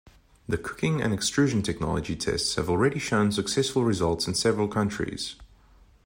The cooking and extrusion technology tests have already shown successful results in several countries.